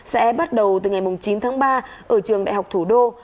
sẽ bắt đầu từ ngày chín tháng ba ở trường đại học thủ đô